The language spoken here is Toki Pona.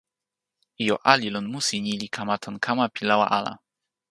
ijo ali lon musi ni li kama tan kama pi lawa ala.